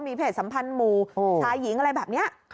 มีเพศสัมพันธ์หมู่ชายหญิงอะไรแบบนี้